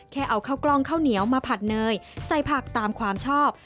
แค่เอาข้าวกล้องข้าวเหนียวมาผัดเนยใส่ผักตามความชอบ